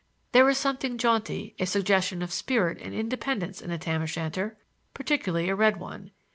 There is something jaunty, a suggestion of spirit and independence in a tam o' shanter, particularly a red one.